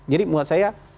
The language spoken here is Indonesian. jadi buat saya